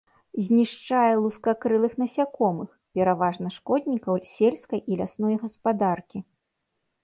Знішчае лускакрылых насякомых, пераважна шкоднікаў сельскай і лясной гаспадаркі.